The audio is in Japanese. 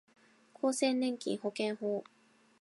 厚生年金保険法